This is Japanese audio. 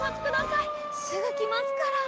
すぐきますから。